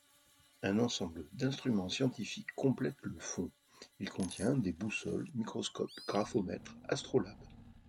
Un ensemble d'instruments scientifiques complète le fonds, il contient des boussoles, microscopes, graphomètres, astrolabe...